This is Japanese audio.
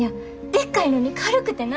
でっかいのに軽くてな。